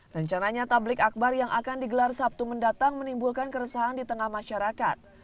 rencananya tablik akbar yang akan digelar sabtu mendatang menimbulkan keresahan di tengah masyarakat